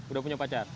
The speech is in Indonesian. udah punya pacar